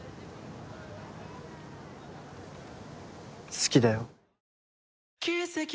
好きだよ。